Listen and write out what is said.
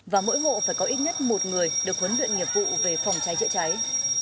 và mỗi hộ phải có ít nhất một người được huấn luyện nghiệp vụ về phòng cháy chữa cháy